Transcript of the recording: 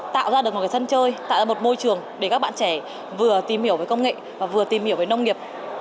tạo ra được một cái sân chơi tạo ra một môi trường để các bạn trẻ vừa tìm hiểu về công nghệ và vừa tìm hiểu về nông nghiệp